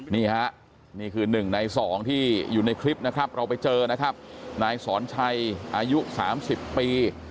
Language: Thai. นี่คือหนึ่งในสองที่อยู่ในคลิปนะครับเราไปเจอไหนสอนชัยอายุ๓๐ปี